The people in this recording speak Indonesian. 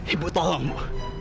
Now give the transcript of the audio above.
ibu tolong bu